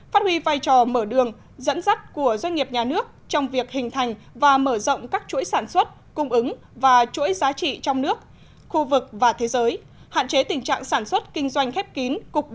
phát huy vai trò mở đường dẫn dắt của doanh nghiệp nhà nước trong việc hình thành và mở rộng các chuỗi sản xuất cung ứng và chuỗi giá trị trong nước khu vực và thế giới hạn chế tình trạng sản xuất kinh doanh khép kín